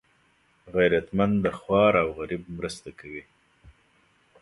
غیرتمند د خوار او غریب مرسته کوي